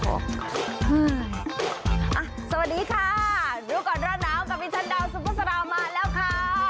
สวัสดีค่ะริวก่อนร้านน้ำวิชาณดาวซุปเปอร์สราวมาแล้วค่ะ